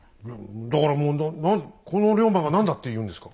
だからもうこの龍馬が何だっていうんですか。